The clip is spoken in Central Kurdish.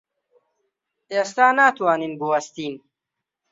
ئێستا ناتوانین بوەستین.